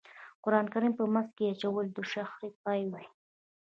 قرآن کریم په منځ کې اچول د شخړې پای وي.